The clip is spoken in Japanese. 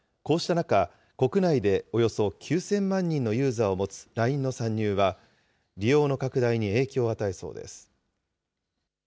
こうした中、国内でおよそ９０００万人のユーザーを持つＬＩＮＥの参入は、利用の拡大に影響を与えそうです。